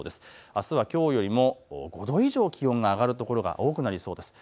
あすはきょうよりも５度以上、気温が上がる所が多くなりそうです。